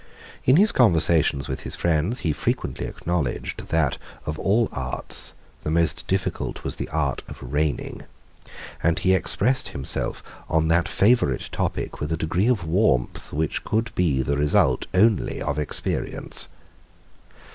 112 In his conversations with his friends, he frequently acknowledged, that of all arts, the most difficult was the art of reigning; and he expressed himself on that favorite topic with a degree of warmth which could be the result only of experience.